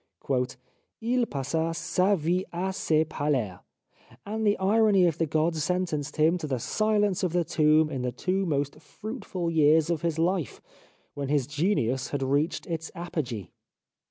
" II passa sa vie a se parler," and the irony of the gods sentenced him to the silence of the tomb in the two most fruitful years of his life, when his genius had reached its apogee